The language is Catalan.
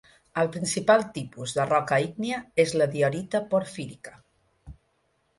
El principal tipus de roca ígnia és la diorita porfírica.